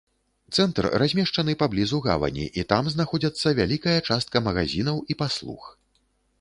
Цэнтр размешчаны паблізу гавані і там знаходзяцца вялікая частка магазінаў і паслуг.